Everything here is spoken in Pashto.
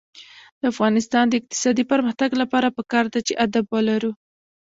د افغانستان د اقتصادي پرمختګ لپاره پکار ده چې ادب ولرو.